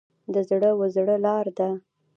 د زړه و زړه لار ده.